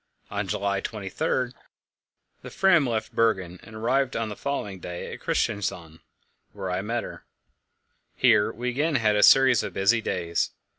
On July 23 the Fram left Bergen, and arrived on the following day at Christiansand, where I met her. Here we again had a series of busy days.